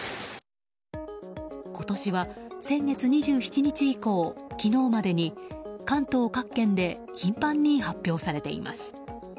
今年は先月２７日以降昨日までに関東各県で頻繁に発表されています。